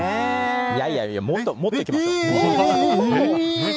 いやいやもっといきましょう！